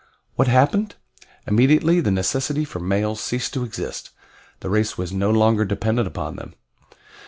"What happened? Immediately the necessity for males ceased to exist the race was no longer dependent upon them.